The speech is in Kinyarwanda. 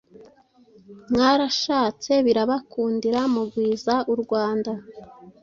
Mwarashatse birabakundira, mugwiza urwanda